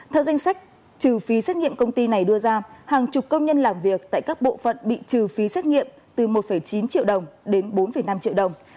theo danh sách trừ phí xét nghiệm công ty này đưa ra hàng chục công nhân làm việc tại các bộ phận bị trừ phí xét nghiệm từ một chín triệu đồng đến bốn năm triệu đồng